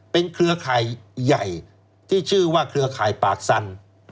เป็นเครือข่ายใหญ่ที่ชื่อว่าเครือข่ายปากสัน